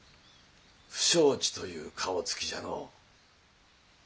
不承知という顔つきじゃのう。